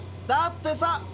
だってさ。